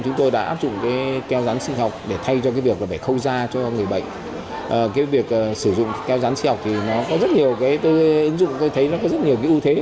nó có rất nhiều cái ứng dụng tôi thấy nó có rất nhiều cái ưu thế